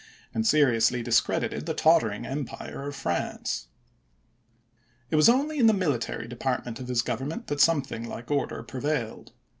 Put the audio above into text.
and seriously discredited the tottering empire of sp(r£jj°f France. Ju*y 9» 186^ It was only in the military department of his government that something like order prevailed.